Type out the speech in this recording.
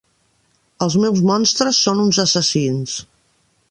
Els meus monstres són uns assassins.